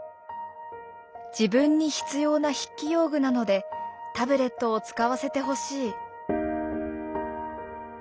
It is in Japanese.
「自分に必要な筆記用具なのでタブレットを使わせてほしい」。